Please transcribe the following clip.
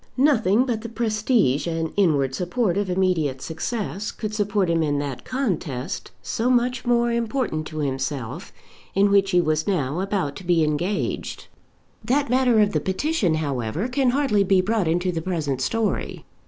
Nothing but the prestige and inward support of immediate success could support him in that contest, so much more important to himself, in which he was now about to be engaged. That matter of the petition, however, can hardly be brought into the present story.